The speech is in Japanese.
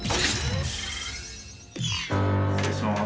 失礼します。